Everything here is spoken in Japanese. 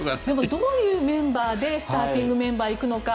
どういうメンバーでスターティングメンバーいくのか。